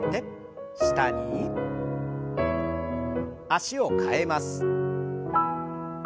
脚を替えます。